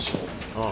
ああ。